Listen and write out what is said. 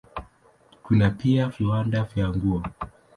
Kuna pia viwanda vya nguo.